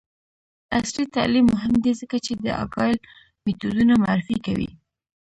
عصري تعلیم مهم دی ځکه چې د اګایل میتودونه معرفي کوي.